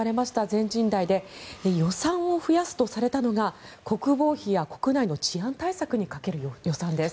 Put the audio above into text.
全人代で予算を増やすとされたのが国防費や国内の治安対策にかける予算です。